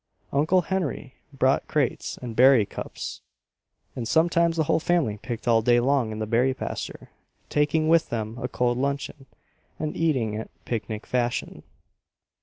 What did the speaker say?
Uncle Henry bought crates and berry "cups," and sometimes the whole family picked all day long in the berry pasture, taking with them a cold luncheon, and eating it picnic fashion.